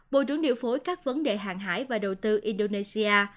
bộ trưởng điều phối các vấn đề hàng hải và đầu tư indonesia